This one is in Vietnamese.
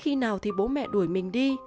khi nào thì bố mẹ đuổi mình đi